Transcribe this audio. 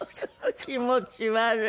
気持ち悪い。